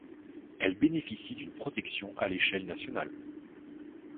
Elle bénéficie d'une protection à l'échelle nationale.